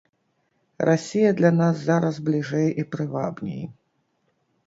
Расія для нас зараз бліжэй і прывабней.